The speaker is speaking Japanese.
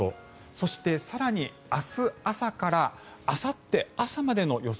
そして、更に明日朝からあさって朝までの予想